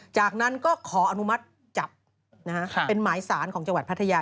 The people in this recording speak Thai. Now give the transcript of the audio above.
จากนั้นก็ขออนุมัติจับเป็นหมายสารของจังหวัดพัทยา